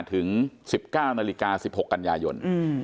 ถึง๑๙นาฬิกา๑๖กันยายน